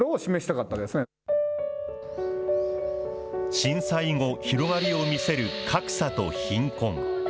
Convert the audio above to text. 震災後、広がりを見せる格差と貧困。